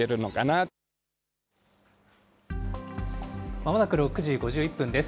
まもなく６時５１分です。